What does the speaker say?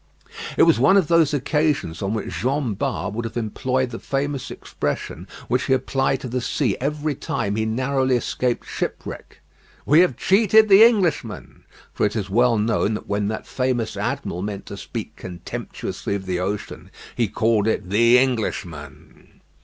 It was one of those occasions on which Jean Bart would have employed the famous expression which he applied to the sea every time he narrowly escaped shipwreck. "We have cheated the Englishman;" for it is well known that when that famous admiral meant to speak contemptuously of the ocean he called it "the Englishman."